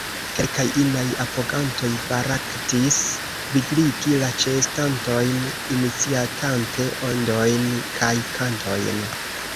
Kelkaj inaj apogantoj baraktis vigligi la ĉeestantojn, iniciatante ondojn kaj kantojn.